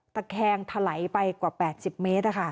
ตะแคงถลายไปกว่า๘๐เมตร